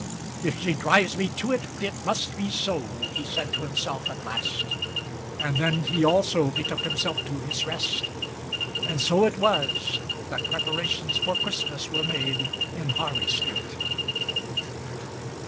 "If she drives me to it, it must be so," he said to himself at last. And then he also betook himself to his rest. And so it was that preparations for Christmas were made in Harley Street.